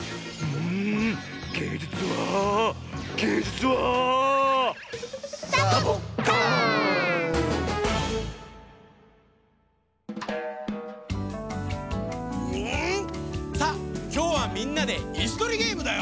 うん！さあきょうはみんなでいすとりゲームだよ。